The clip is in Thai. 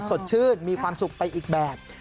สดชื่นมีความสุขไปอีกแบบ